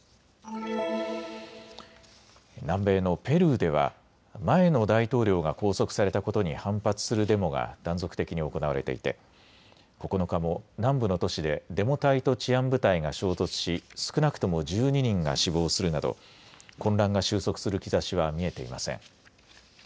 南米のペルーでは前の大統領が拘束されたことに反発するデモが断続的に行われていて９日も南部の都市でデモ隊と治安部隊が衝突し少なくとも１２人が死亡するなど混乱が収束する兆しは見えていません。